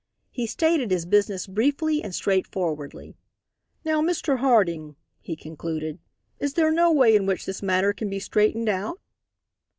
He stated his business briefly and straightforwardly. "Now, Mr. Harding," he concluded, "is there no way in which this matter can be straightened out?"